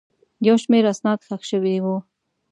یو شمېر اسناد ښخ شوي وو.